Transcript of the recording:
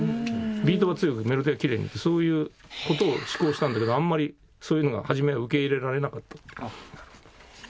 ビートが強くメロディーはキレイにっていうそういう事を志向したんだけどあんまりそういうのが初めは受け入れられなかった。